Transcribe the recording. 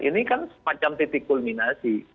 ini kan semacam titik kulminasi